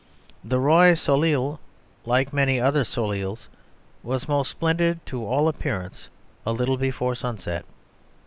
The Roi Soleil, like many other soleils, was most splendid to all appearance a little before sunset.